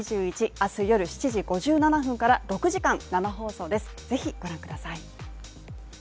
明日夜７時５７分から６時間生放送です、ぜひ御覧ください。